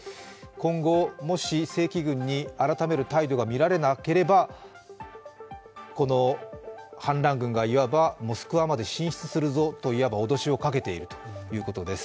今後、もし正規軍に改める態度がみられなければこの反乱軍がいわばモスクワまで進出するぞと脅しをかけているということです。